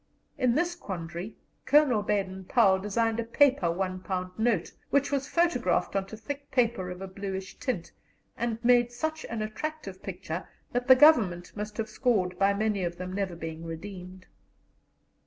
In this quandary, Colonel Baden Powell designed a paper one pound note, which was photographed on to thick paper of a bluish tint, and made such an attractive picture that the Government must have scored by many of them never being redeemed.